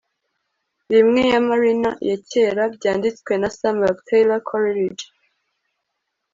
Rime ya Mariner ya kera byanditswe na Samuel Taylor Coleridge